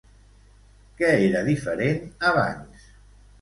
Què era diferent abans?